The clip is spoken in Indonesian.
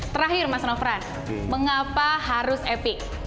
terakhir mas nofran mengapa harus epic